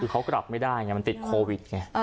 คือเขากลับไม่ได้ไงมันติดโควิดไง